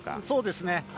そうですね。